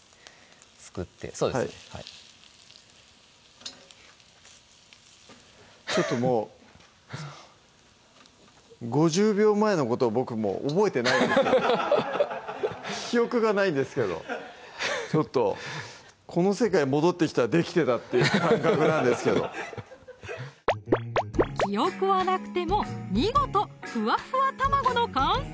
すくってそうですねちょっともう５０秒前のこと僕もう覚えてない記憶がないんですけどちょっとこの世界戻ってきたらできてたっていう感覚なんですけど記憶はなくても見事ふわふわ卵の完成！